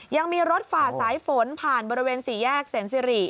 ยังมีรถฝ่าสายฝนผ่านบริเวณสี่แยกแสนสิริ